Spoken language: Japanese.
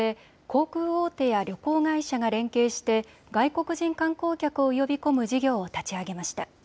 航空大手や旅行会社が連携して外国人観光客を呼び込む事業を立ち上げました。